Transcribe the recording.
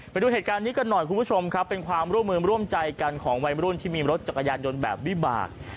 ไปดูเหตุการณ์นี้กันหน่อยคุณผู้ชมครับเป็นความร่วมมือร่วมใจกันของวัยรุ่นที่มีรถจักรยานยนต์แบบวิบาก